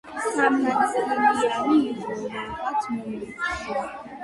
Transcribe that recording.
სამნაწილიანი იყო, რაღაც მომენტში.